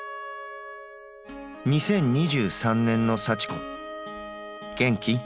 「２０２３年のさちこ元気？